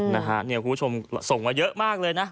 นะฮะเนี่ยคุณผู้ชมส่งมาเยอะมากเลยนะ